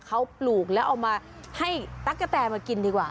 เขาปลูกแล้วเอามาให้ตั๊กกะแตมากินดีกว่า